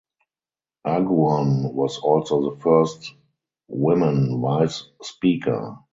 Aguon was also the first woman Vice Speaker.